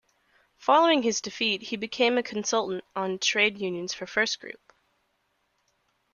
Following his defeat he became a consultant on trade unions for FirstGroup.